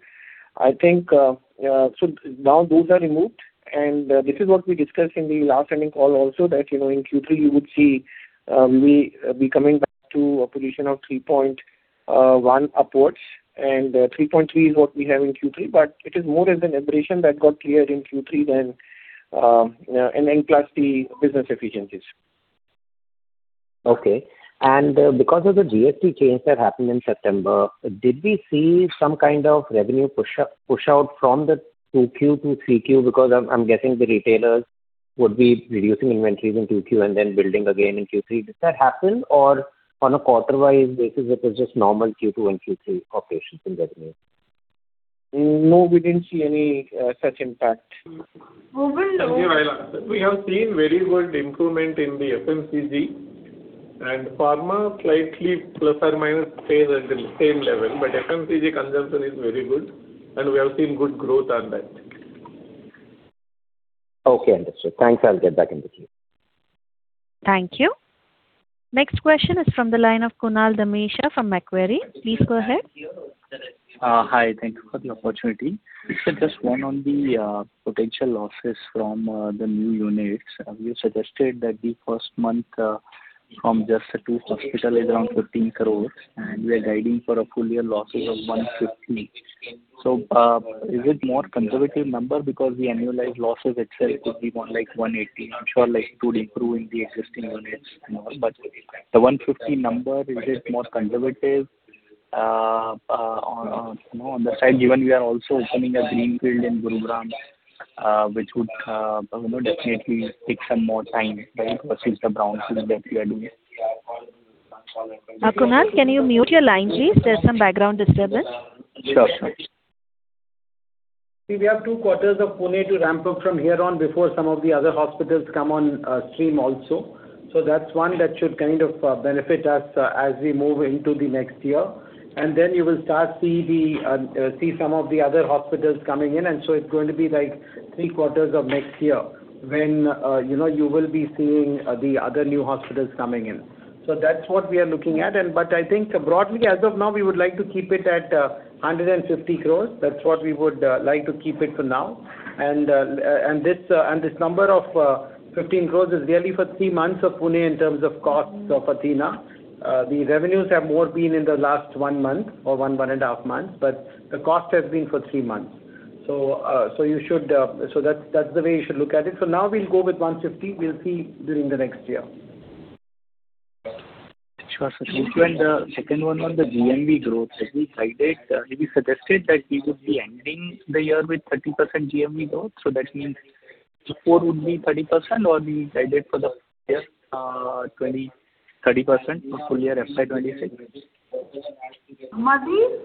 So now those are removed. And this is what we discussed in the last earnings call also, that in Q3, you would see we will be coming back to a position of 3.1% upwards. And 3.3% is what we have in Q3. But it is more of an aberration that got cleared in Q3 than and plus the business efficiencies. Okay. Because of the GST change that happened in September, did we see some kind of revenue push-out from the 2Q to 3Q because I'm guessing the retailers would be reducing inventories in 2Q and then building again in Q3? Did that happen, or on a quarter-wise basis, it was just normal Q2 and Q3 operations and revenue? No, we didn't see any such impact. Obul Reddy. We have seen very good improvement in the FMCG. Pharma slightly plus or minus stays at the same level. But FMCG consumption is very good. We have seen good growth on that. Okay. Understood. Thanks. I'll get back into the call. Thank you. Next question is from the line of Kunal Damesha from Macquarie. Please go ahead. Hi. Thank you for the opportunity. Just one on the potential losses from the new units. You suggested that the first month from just the two hospitals is around 15 crore. And we are guiding for full-year losses of 150 crore. So is it more conservative number because the annualized losses itself could be more like 180 crore? I'm sure it would improve in the existing units more. But the 150 crore number, is it more conservative on the side given we are also opening a greenfield in Gurugram, which would definitely take some more time, right, versus the brownfield that we are doing? Kunal, can you mute your line, please? There's some background disturbance. Sure. Sure. See, we have two quarters of Pune to ramp up from here on before some of the other hospitals come on stream also. So that's one that should kind of benefit us as we move into the next year. Then you will start to see some of the other hospitals coming in. So it's going to be three quarters of next year when you will be seeing the other new hospitals coming in. So that's what we are looking at. But I think broadly, as of now, we would like to keep it at 150 crore. That's what we would like to keep it for now. And this number of 15 crore is really for three months of Pune in terms of costs of Athena. The revenues have more been in the last one month or one, one and a half months. But the cost has been for three months. So you should so that's the way you should look at it. So now we'll go with 150. We'll see during the next year. Sure. Sure. As well as the second one on the GMV growth, as we guided, we suggested that we would be ending the year with 30% GMV growth. So that means before would be 30%, or we guided for the year 30%, a full-year FY26? Madhu?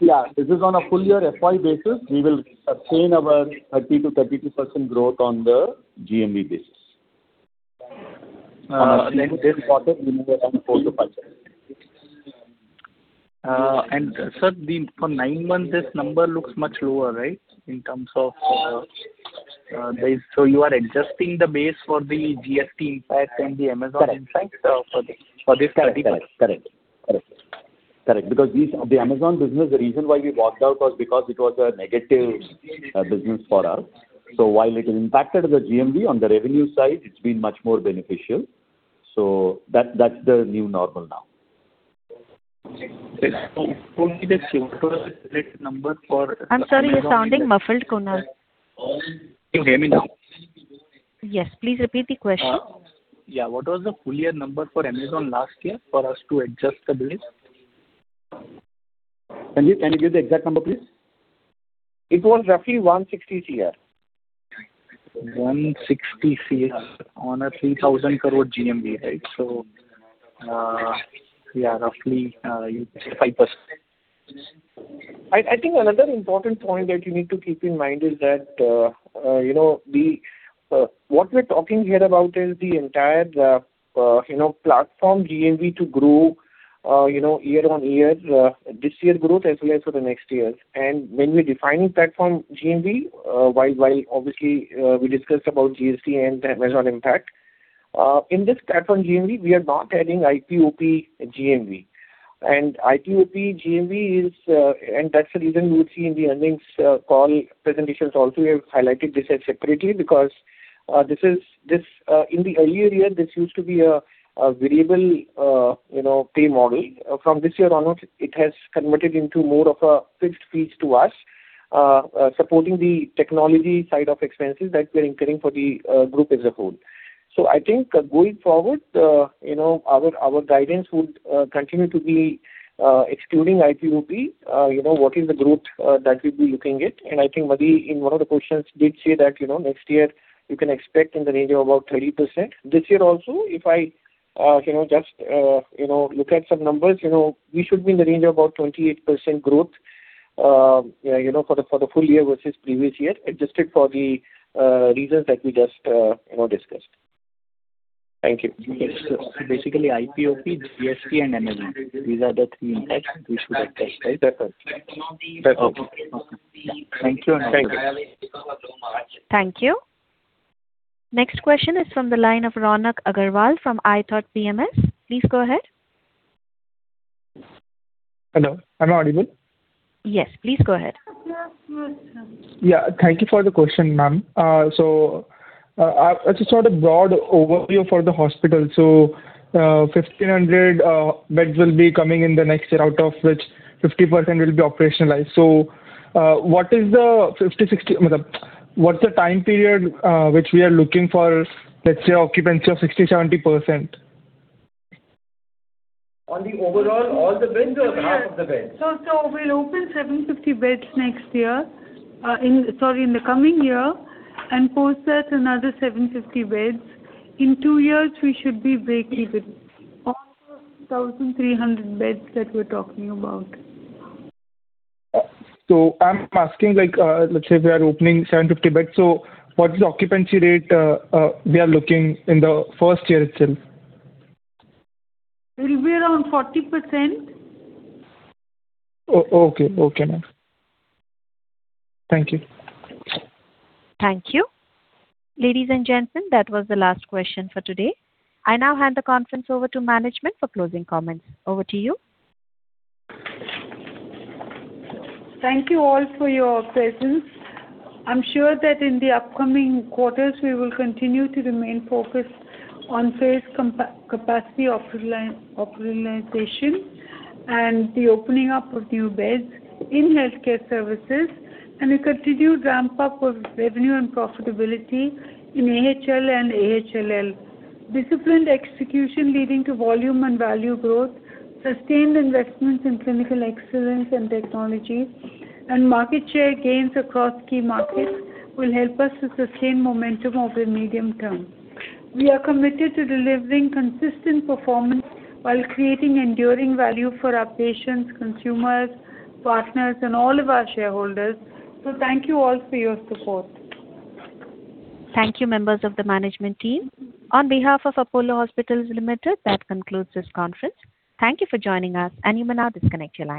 Yeah. This is on a full-year FY basis. We will obtain our 30%-32% growth on the GMV basis. On this quarter, we move around 4%-5%. And sir, for nine months, this number looks much lower, right, in terms of so you are adjusting the base for the GST impact and the Amazon impact for this 30%? Correct. Correct. Correct. Correct. Because the Amazon business, the reason why we walked out was because it was a negative business for us. So while it impacted the GMV, on the revenue side, it's been much more beneficial. So that's the new normal now. Tell me the Q2 billings number for? I'm sorry. You're sounding muffled, Kunal. Can you hear me now? Yes. Please repeat the question. Yeah. What was the full-year number for Amazon last year for us to adjust the billings? Sanjiv, can you give the exact number, please? It was roughly 160 crore. 160 crore on a 3,000-crore GMV, right? So yeah, roughly, you said 5%. I think another important point that you need to keep in mind is that what we're talking here about is the entire platform GMV to grow year-on-year, this year growth as well as for the next year. And when we're defining platform GMV, while obviously, we discussed about GST and Amazon impact, in this platform GMV, we are not adding IP/OP GMV. And IP/OP GMV is, and that's the reason we would see in the earnings call presentations also, we have highlighted this separately because in the earlier year, this used to be a variable pay model. From this year onwards, it has converted into more of a fixed fees to us supporting the technology side of expenses that we are incurring for the group as a whole. I think going forward, our guidance would continue to be excluding IP/OP, what is the growth that we'll be looking at. I think Madhu, in one of the questions, did say that next year, you can expect in the range of about 30%. This year also, if I just look at some numbers, we should be in the range of about 28% growth for the full year versus previous year, adjusted for the reasons that we just discussed. Thank you. Basically, IP/OP, GST, and Amazon, these are the three impacts we should address, right? Definitely. Definitely. Okay. Thank you, Ananda. Thank you. Next question is from the line of Raunak Agarwal from iThought PMS. Please go ahead. Hello. Am I audible? Yes. Please go ahead. Yeah. Thank you for the question, ma'am. So it's a sort of broad overview for the hospital. So 1,500 beds will be coming in the next year, out of which 50% will be operationalized. So what is the 50, 60? What's the time period which we are looking for, let's say, occupancy of 60, 70%? On the overall, all the beds or half of the beds? So we'll open 750 beds next year, sorry, in the coming year, and post that another 750 beds. In two years, we should be breaking the 1,300 beds that we're talking about. So I'm asking, let's say we are opening 750 beds. So what is the occupancy rate we are looking in the first year itself? It'll be around 40%. Okay. Okay, ma'am. Thank you. Thank you. Ladies and gentlemen, that was the last question for today. I now hand the conference over to management for closing comments. Over to you. Thank you all for your presence. I'm sure that in the upcoming quarters, we will continue to remain focused on phased capacity operationalization and the opening up of new beds in healthcare services and a continued ramp-up of revenue and profitability in AHL and AHLL. Disciplined execution leading to volume and value growth, sustained investments in clinical excellence and technology, and market share gains across key markets will help us to sustain momentum over medium term. We are committed to delivering consistent performance while creating enduring value for our patients, consumers, partners, and all of our shareholders. So thank you all for your support. Thank you, members of the management team. On behalf of Apollo Hospitals Limited, that concludes this conference. Thank you for joining us. You may now disconnect your line.